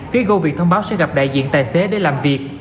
phía goviet thông báo sẽ gặp đại diện tài xế để làm việc